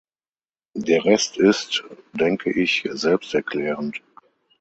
Der Rest ist, denke ich, selbsterklärend.